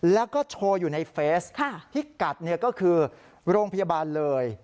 แล้วก็โชว์อยู่ในเฟซพิกัดก็คือโรงพยาบาลเลย